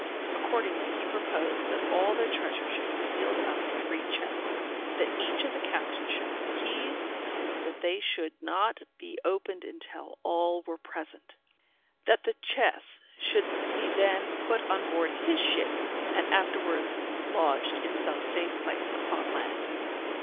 Accordingly, he proposed that all their treasure should be sealed up in three chests; that each of the captains should have keys, and that they should not be opened until all were present; that the chests should be then put on board his ship, and afterwards lodged in some safe place upon land.